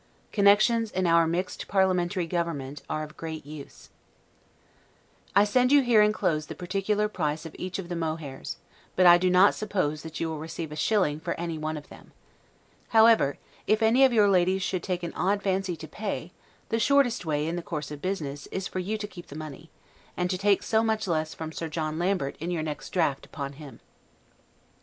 Connections, in our mixed parliamentary government, are of great use. I send you here inclosed the particular price of each of the mohairs; but I do not suppose that you will receive a shilling for anyone of them. However, if any of your ladies should take an odd fancy to pay, the shortest way, in the course of business, is for you to keep the money, and to take so much less from Sir John Lambert in your next draught upon him.